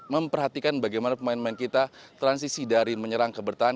memperhatikan bagaimana pemain pemain kita transisi dari menyerang ke bertahan